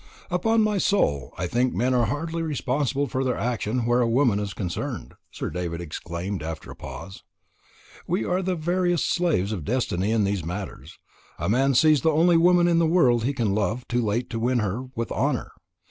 "Upon my soul, I think men are hardly responsible for their actions where a woman is concerned," Sir David exclaimed after a pause. "We are the veriest slaves of destiny in these matters. A man sees the only woman in the world he can love too late to win her with honour.